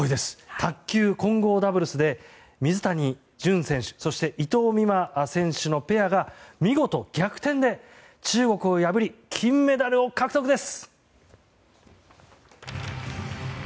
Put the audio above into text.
卓球混合ダブルスで水谷隼選手そして伊藤美誠選手のペアが見事、逆転で中国を破り金メダルを獲得です。